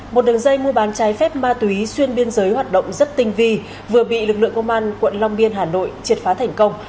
một đường dây mua bán trái phép ma túy xuyên biên giới hoạt động rất tinh vi vừa bị lực lượng công an quận long biên hà nội triệt phá thành công